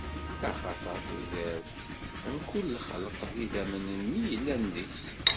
Axaṭer tudert n mkul lxelq, d idammen-nni yellan deg-s.